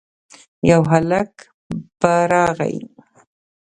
يو هلک په راغی.